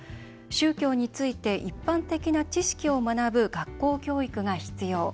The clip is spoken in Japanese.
宗教について一般的な知識を学ぶ学校教育が必要。